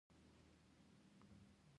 ریاضي د اعدادو پوهنه ده